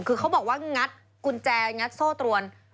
คือเขาบอกว่างัดกุญแจงัดโซ่ตรวน